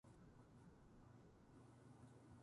鹿児島県南さつま市